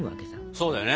そうだよね。